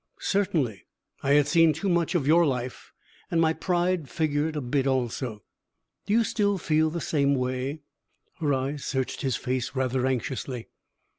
"Certainly! I had seen too much of your life, and my pride figured a bit, also." "Do you still feel the same way?" Her eyes searched his face rather anxiously.